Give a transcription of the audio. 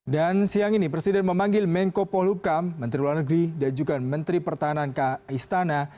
dan siang ini presiden memanggil menko polukam menteri pulau negeri dan juga menteri pertahanan ke istana